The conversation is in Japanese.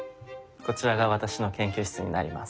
こちらが私の研究室になります。